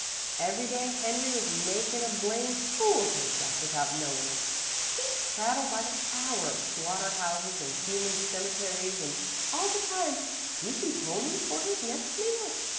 Every day, Henry was makin' a blame fool of himself without knowin' it. He'd prattle by the hour of slaughter houses an' human cemeteries an' all the time he'd be honin' for his next meal.